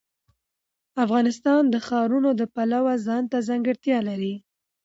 افغانستان د ښارونه د پلوه ځانته ځانګړتیا لري.